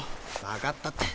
わかったって。